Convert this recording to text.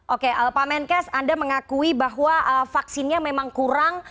oke pak menkes anda mengakui bahwa vaksinnya memang kurang